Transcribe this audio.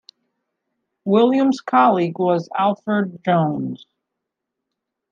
Williams' colleague was Alfred Jones.